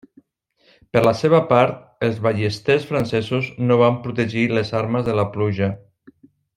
Per la seva part, els ballesters francesos no van protegir les armes de la pluja.